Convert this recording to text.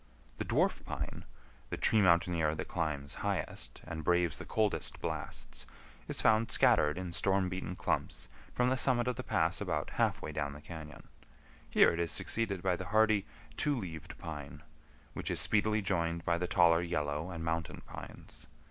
The Dwarf Pine, the tree mountaineer that climbs highest and braves the coldest blasts, is found scattered in storm beaten clumps from the summit of the pass about half way down the cañon. Here it is succeeded by the hardy Two leaved Pine, which is speedily joined by the taller Yellow and Mountain Pines.